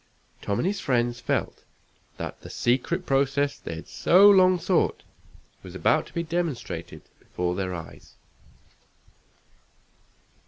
Tom and his friends felt that the secret process they had so long sought was about to be demonstrated before their eyes.